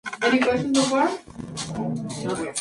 Pamela Reed fue la estrella invitada.